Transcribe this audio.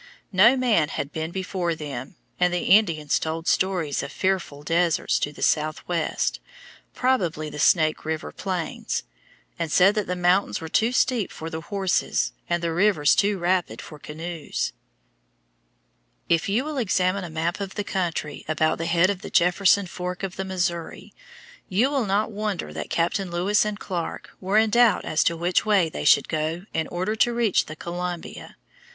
No man had been before them, and the Indians told stories of fearful deserts to the southwest (probably the Snake River plains), and said that the mountains were too steep for the horses, and the rivers too rapid for canoes. If you will examine a map of the country about the head of the Jefferson fork of the Missouri, you will not wonder that Captains Lewis and Clark were in doubt as to which way they should go in order to reach the Columbia.